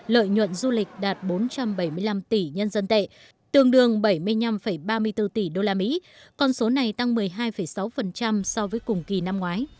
lợi nhuận du lịch đạt bốn trăm bảy mươi năm tỷ nhân dân tệ tương đương bảy mươi năm ba mươi bốn tỷ usd con số này tăng một mươi hai sáu so với cùng kỳ năm ngoái